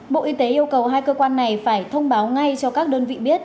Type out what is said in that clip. bộ y tế yêu cầu hai cơ quan này phải thông báo ngay cho các đơn vị biết